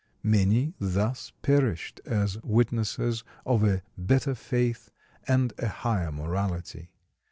Many thus perished as witnesses of a better faith and a higher morality.